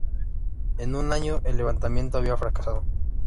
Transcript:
En un año, el levantamiento había fracasado.